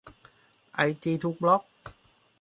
ไอจีถูกบล็อก